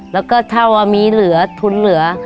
แล้วก็ถ้าว่ามีเหลือทุนเหลือ